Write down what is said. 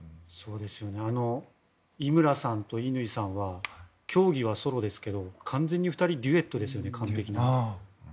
井村さんと乾さんは競技はソロですけど完全に２人デュエットですよね。